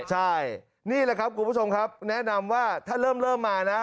ใช่นี่แหละครับคุณผู้ชมครับแนะนำว่าถ้าเริ่มมานะ